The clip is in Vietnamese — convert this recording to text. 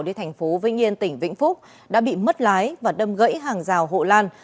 đi thành phố vinh yên tỉnh vĩnh phúc đã bị mất lái và đâm gãy hàng rào hộ lan